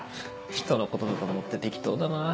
人のことだと思って適当だな。